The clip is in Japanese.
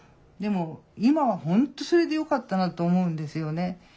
でも今は本当それでよかったなと思うんですよね。